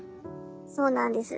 そうなんです。